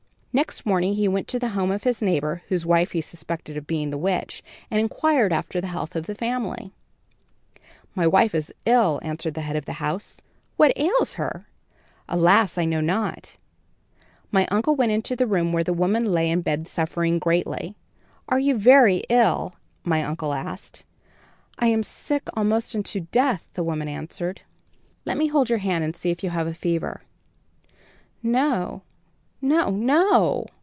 "Next morning he went to the home of his neighbor, whose wife he suspected of being the witch, and inquired after the health of the family. "'My wife is ill,' answered the head of the house. "'What ails her?' "'Alas, I know not.' "My uncle went into the room where the woman lay in bed suffering greatly. "'Are you very ill?' my uncle asked. "'I am sick almost unto death,' the woman answered. "'Let me hold your hand and see if you have a fever.' "'No, no, no!'